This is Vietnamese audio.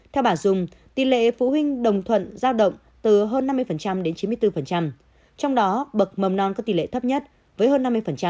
theo bà dung tỷ lệ phụ huynh đồng thuận giao động từ hơn năm mươi đến chín mươi bốn trong đó bậc mầm non có tỷ lệ thấp nhất với hơn năm mươi